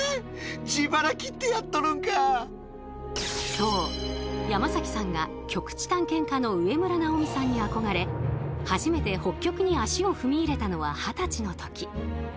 そう山崎さんが極地探検家の植村直己さんに憧れ初めて北極に足を踏み入れたのは二十歳の時。